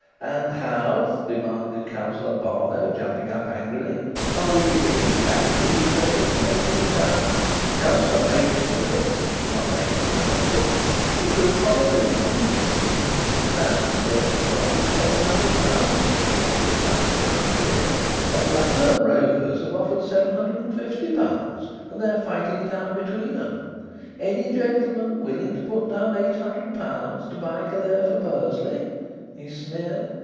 "And how," demanded Councillor Barlow, jumping up angrily, "are we to get him back to his precious native town? Councillor Machin admits that he is not an expert on football. It will probably be news to him that Aston Villa have offered £700 to York for the transfer of Callear, and Blackburn Rovers have offered £750, and they're fighting it out between 'em. Any gentleman willing to put down £800 to buy Callear for Bursley?" he sneered.